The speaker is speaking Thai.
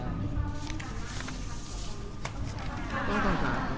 ถ้าต้องไหนเร็วไปนิดหน่อยคุณจะคุยกับจักรนะคะ